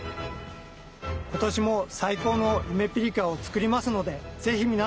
今年も最高のゆめぴりかを作りますのでぜひ皆さん。